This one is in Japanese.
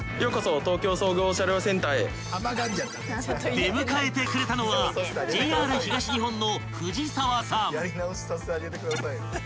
［出迎えてくれたのはＪＲ東日本の］